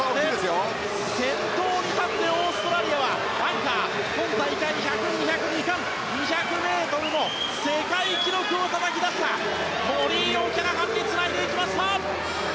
先頭に立ってオーストラリアはアンカー今大会１００、２００の２冠２００ｍの世界記録をたたき出したモリー・オキャラハンにつないでいきました。